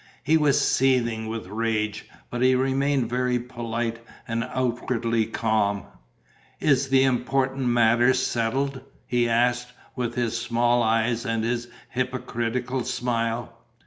He was seething with rage, but he remained very polite and outwardly calm: "Is the important matter settled?" he asked, with his small eyes and his hypocritical smile.